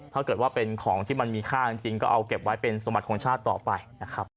ถ้าเกิดว่าเป็นของที่มันมีค่าจริงก็เอาเก็บไว้เป็นสมบัติของชาติต่อไปนะครับ